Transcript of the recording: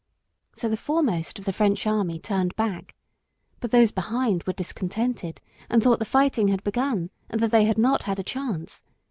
So the foremost of the French army turned back, but those behind were discontented and thought the fighting had begun and that they had not had a chance.